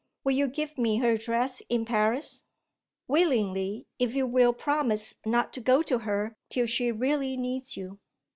Will you give me her address in Paris? "Willingly if you will promise not to go to her till she really needs you?"